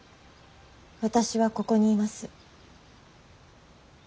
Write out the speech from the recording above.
私はここにいます。